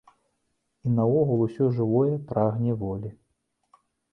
І наогул, усё жывое прагне волі.